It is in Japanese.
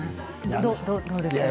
どうですか？